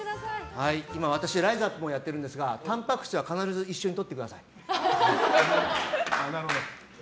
今、私ライザップもやってるんですがタンパク質は必ず一緒にとってください。